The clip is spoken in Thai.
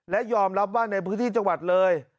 และยอมรับว่าในพื้นที่จังหวัดเลย